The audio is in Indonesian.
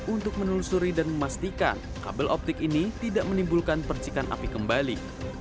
untuk menelusuri dan memastikan kabel optik ini tidak menimbulkan percikan api kembali